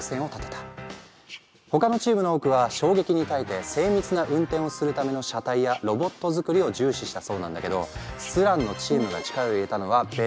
他のチームの多くは衝撃に耐えて精密な運転をするための車体やロボット作りを重視したそうなんだけどスランのチームが力を入れたのは別のことだったの。